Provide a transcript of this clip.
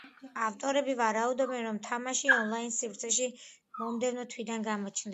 ავტორები ვარაუდობენ, რომ თამაში ონლაინ სივრცეში მომდევნო თვიდან გამოჩნდება.